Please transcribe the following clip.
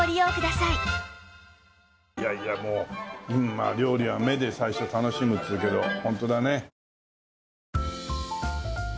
また料理は目で最初楽しむっつうけどホントだね。